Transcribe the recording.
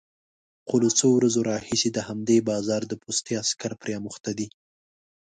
خو له څو ورځو راهيسې د همدې بازار د پوستې عسکر پرې اموخته دي،